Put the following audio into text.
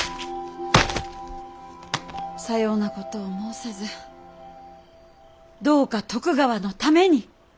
さようなことを申さずどうか徳川のために。